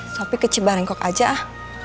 sopi keci barengkok aja ah